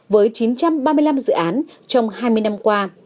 với chín trăm ba mươi năm dự án trong hai mươi năm qua